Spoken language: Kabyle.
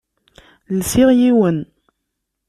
Lsiɣ yiwen.